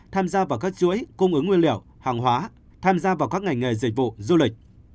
tham gia vào các chuỗi cung ứng nguyên liệu hàng hóa tham gia vào các ngành nghề dịch vụ du lịch